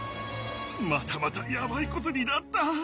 またまたやばいことになった。